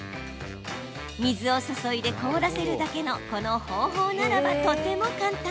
水を注いで凍らせるだけのこの方法ならばとても簡単。